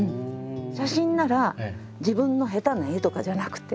写真なら自分の下手な絵とかじゃなくて。